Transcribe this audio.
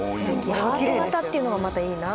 ハート形っていうのがまたいいな。